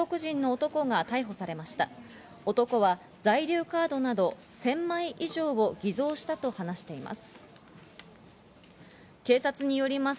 男は在留カードなど１０００枚以上を偽造したと話しています。